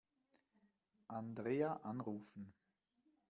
Andrea anrufen.